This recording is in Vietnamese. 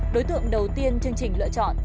đối tượng đầu tiên chương trình lựa chọn